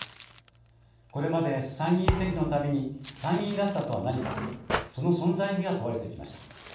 これまで参議院選挙のたびに参議院らしさとは何かその存在意義が問われてきました。